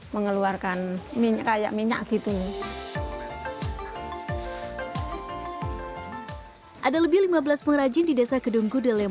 mengeluarkan minyak kayak minyak gitu ada lebih lima belas pengrajin di desa kedung gudel yang